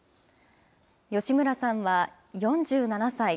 吉村さんは４７歳。